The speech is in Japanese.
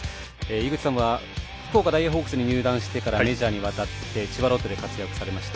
井口さんは福岡ダイエーホークスからメジャーに渡って千葉ロッテで活躍されました。